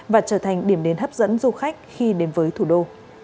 và trở thành điểm đến hấp dẫn du khách khi đến với thủ đô